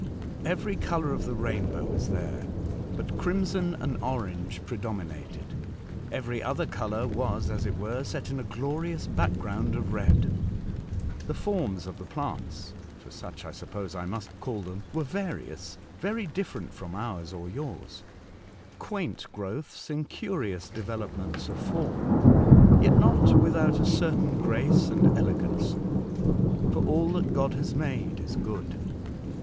Every colour of the rainbow was there, but crimson and orange predominated. Every other colour was, as it were, set in a glorious back ground of red. The forms of the plants, for such I suppose I must call them, were various — very different from ours or yours, — quaint growths in curious developments of form, yet not without a certain grace and elegance, for all that God has made is good.